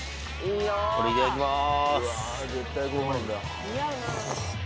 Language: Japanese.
これいただきまーす